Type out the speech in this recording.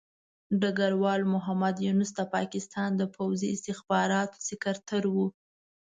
ډګروال محمد یونس د پاکستان د پوځي استخباراتو سکرتر وو.